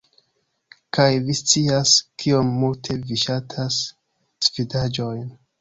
Kaj vi scias kiom multe vi ŝatas svedaĵojn